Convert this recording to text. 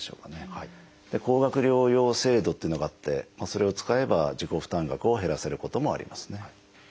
高額療養費制度っていうのがあってそれを使えば自己負担額を減らせることもありますね。